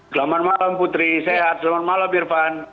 selamat malam putri sehat selamat malam irfan